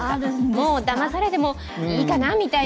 もうだまされてもいいかな、みたいな。